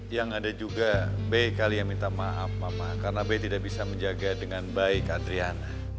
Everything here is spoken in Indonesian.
yang ada juga b kali yang minta maaf mama karena b tidak bisa menjaga dengan baik adriana